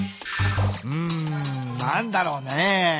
うーん何だろうね？